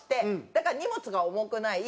だから荷物が重くない。